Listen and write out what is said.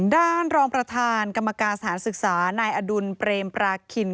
รองประธานกรรมการสถานศึกษานายอดุลเปรมปราคิน